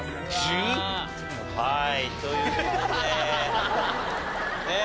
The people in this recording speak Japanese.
はいという事でねえ。